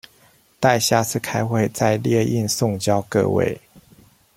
待下次開會再列印送交各位